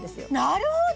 なるほど！